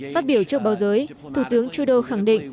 phát biểu trước báo giới thủ tướng trudeau khẳng định